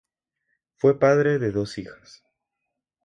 Fue padre de dos hijas.